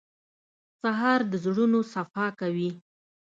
سهار د زړونو صفا کوي.